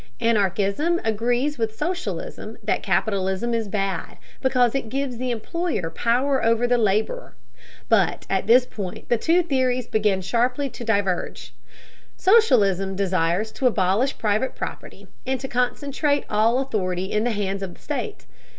Anarchism agrees with socialism that capitalism is bad because it gives the employer power over the laborer. But at this point the two theories begin sharply to diverge. Socialism desires to abolish private property and to concentrate all authority in the hands of the state.